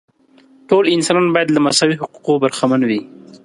ټول انسانان باید له مساوي حقوقو برخمن وي.